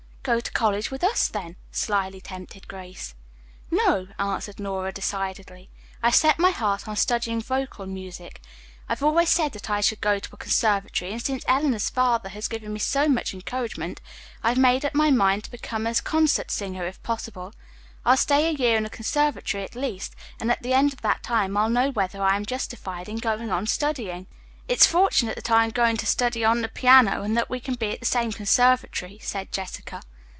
"Go to college with us, then," slyly tempted Grace. "No," answered Nora decidedly. "I've set my heart on studying vocal music. I have always said that I should go to a conservatory, and since Eleanor's father has given me so much encouragement, I've made up my mind to become a concert singer if possible. I'll stay a year in the conservatory at least, and at the end of that time I'll know whether I am justified in going on studying." "It's fortunate that I am going to study on the piano and that we can be at the same conservatory," said Jessica.